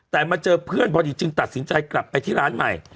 แต่มาเจอเพื่อนพอดีจึงตัดสินใจกลับไปที่ร้านใหม่